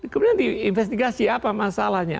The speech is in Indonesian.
kemudian diinvestigasi apa masalahnya